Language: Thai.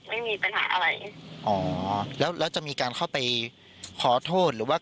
ไม่มีปัญหาอะไรอ๋อแล้วแล้วจะมีการเข้าไปขอโทษหรือว่า